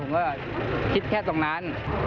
อย่างง่ายผมก็คิดแค่ตรงนั้น